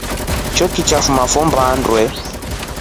Choiki cha fuma fo mbaa ndwe.